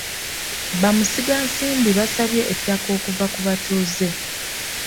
Bamusigansimbi baasabye ettaka okuva ku batuuze.